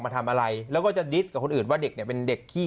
มาทำอะไรแล้วก็จะดิสตกับคนอื่นว่าเด็กเนี่ยเป็นเด็กขี้